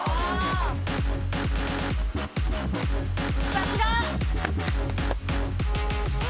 さすが！